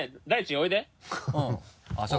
おいで。